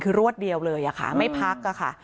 คือรวดเดียวเลยไม่พัก